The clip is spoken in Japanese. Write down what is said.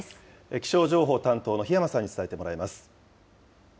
気象情報担当の檜山さんに伝えてもらいます。